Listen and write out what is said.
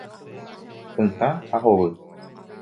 Pytã ha hovy.